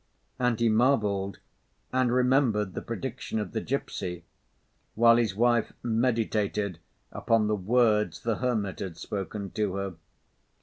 And he marvelled and remembered the prediction of the gipsy, while his wife meditated upon the words the hermit had spoken to her.